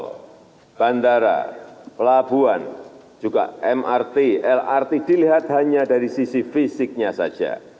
tol bandara pelabuhan juga mrt lrt dilihat hanya dari sisi fisiknya saja